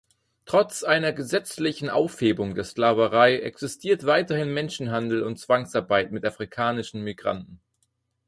Trotz einer gesetzlichen Aufhebung der Sklaverei existiert weiterhin Menschenhandel und Zwangsarbeit mit afrikanischen Migranten.